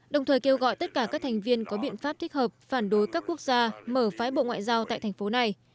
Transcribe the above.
đồng thời kêu gọi tất cả các thành viên có biện pháp thích hợp phản đối các quốc gia mở phái bộ ngoại giao tại thành phố này